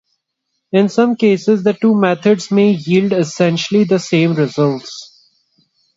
In some cases the two methods may yield essentially the same results.